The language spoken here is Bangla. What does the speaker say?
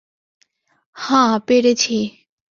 হাঁ, পেরেছি।